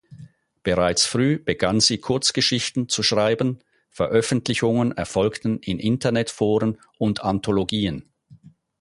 Bereits früh begann sie Kurzgeschichten zu schreiben, Veröffentlichungen erfolgten in Internetforen und Anthologien.